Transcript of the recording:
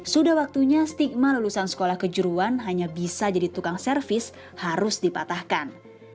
sudah waktunya stigma lulusan sekolah kejuruan hanya bisa jadi tukang servis harus dipatahkan